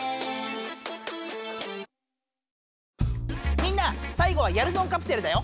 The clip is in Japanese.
みんなさいごはやるぞんカプセルだよ！